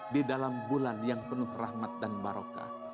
di dalam bulan yang penuh rahmat dan barokah